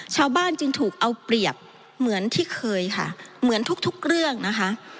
ชาวบ้านจึงถูกเอาเปรียบเหมือนที่เคยค่ะเหมือนทุกทุกเรื่องนะคะ